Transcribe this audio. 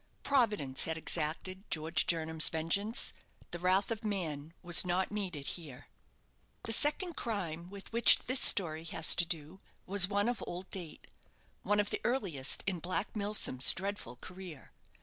Providence had exacted George Jernam's vengeance: the wrath of man was not needed here. The second crime with which this story has to do was one of old date, one of the earliest in Black Milsom's dreadful career.